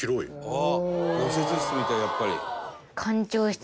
「あっ応接室みたいやっぱり」